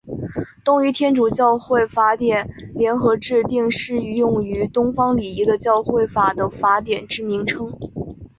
东仪天主教会法典联合制定适用于东方礼仪的教会法的法典之名称。